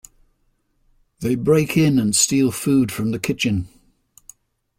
They break in and steal food from the kitchen.